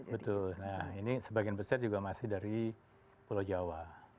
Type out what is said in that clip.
betul nah ini sebagian besar juga masih dari pulau jawa